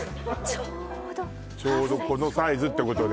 ちょうどちょうどこのサイズってことね？